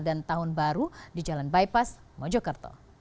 dan tahun baru di jalan bypass mojokerto